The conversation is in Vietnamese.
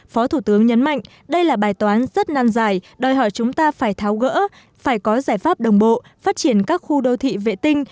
phó thủ tướng nhấn mạnh đây là bài toán rất nan dài đòi hỏi chúng ta phải tháo gỡ phải có giải pháp đồng bộ phát triển các khu đô thị vệ tinh